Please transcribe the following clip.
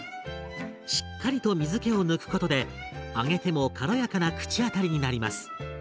しっかりと水けを抜くことで揚げても軽やかな口当たりになります。